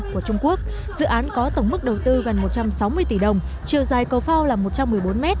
của trung quốc dự án có tổng mức đầu tư gần một trăm sáu mươi tỷ đồng chiều dài cầu phao là một trăm một mươi bốn m